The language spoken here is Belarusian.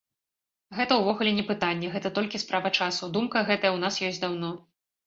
Гэта ўвогуле не пытанне, гэта толькі справа часу, думка гэтая ў нас ёсць даўно.